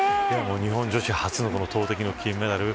日本人初の投てきの金メダル。